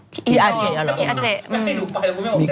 ท่านอาเจซักที